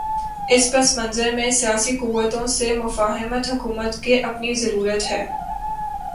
اس پس منظر میں سیاسی قوتوں سے مفاہمت حکومت کی اپنی ضرورت ہے۔